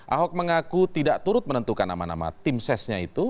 ahok mengaku tidak turut menentukan nama nama tim sesnya itu